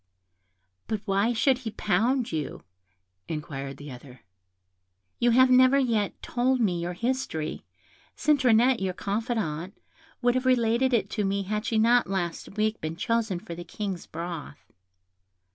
"But why should he pound you?" inquired the other. "You have never yet told me your history; Citronette, your confidante, would have related it to me had she not last week been chosen for the King's broth."